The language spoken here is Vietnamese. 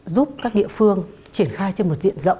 giúp các địa phương triển khai trên một diện rộng